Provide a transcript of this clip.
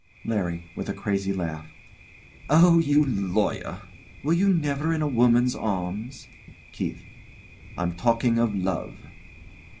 LARRY. [With a crazy laugh] Oh, you lawyer! Were you never in a woman's arms? KEITH. I'm talking of love.